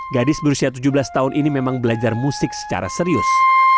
gadis berusia tujuh belas tahun ini memang belajar musik secara serius